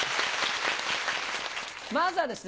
まずはですね